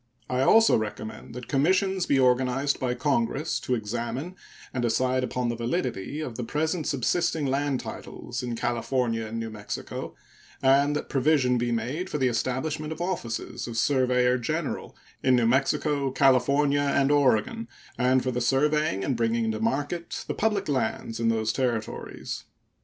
I also recommend that commissions be organized by Congress to examine and decide upon the validity of the present subsisting land titles in California and New Mexico, and that provision be made for the establishment of offices of surveyor general in New Mexico, California, and Oregon and for the surveying and bringing into market the public lands in those Territories.